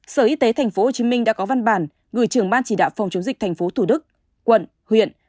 sở y tế tp hcm đã có văn bản gửi trưởng ban chỉ đạo phòng chống dịch tp thủ đức quận huyện